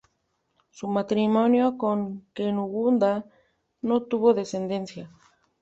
Su matrimonio con Cunegunda no tuvo descendencia.